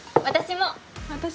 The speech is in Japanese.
私も。